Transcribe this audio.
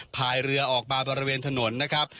พายเรือออกมาบริเวณถนนนะครับ